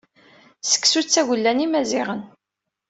Seksu d tgella n Yimaziɣen.